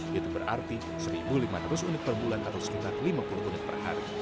itu berarti satu lima ratus unit per bulan atau sekitar lima puluh unit per hari